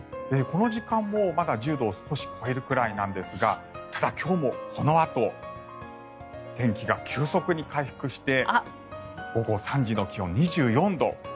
この時間もまだ１０度を少し超えるくらいなんですがただ、今日もこのあと天気が急速に回復して午後３時の気温、２４度。